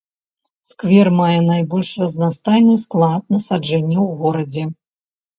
Сквер мае найбольш разнастайны склад насаджэнняў у горадзе.